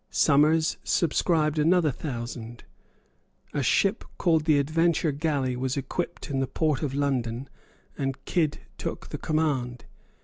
Somers subscribed another thousand. A ship called the Adventure Galley was equipped in the port of London; and Kidd took the command.